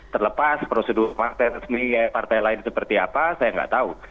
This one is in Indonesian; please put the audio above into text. terlepas prosedur partai resmi partai lain seperti apa saya nggak tahu